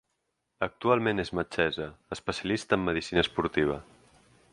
Actualment és metgessa especialista en medicina esportiva.